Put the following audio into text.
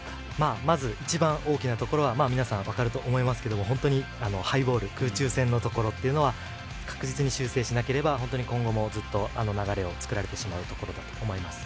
一番大きなところは皆さん分かると思いますが本当にハイボール空中戦は確実に修正しなければ今後も流れを作られてしまうところだと思います。